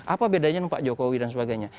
apa bedanya dengan pak jokowi dan sebagainya